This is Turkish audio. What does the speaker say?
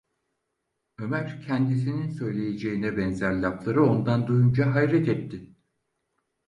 Ömer kendisinin söyleyeceğine benzer lafları ondan duyunca hayret etti.